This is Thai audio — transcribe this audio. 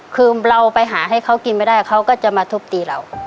คือเราไปหาให้เขากินไม่ได้เขาก็จะมาทุบตีเรา